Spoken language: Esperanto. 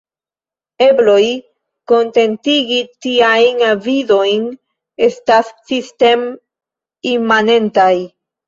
Ebloj kontentigi tiajn avidojn estas sistem-imanentaj.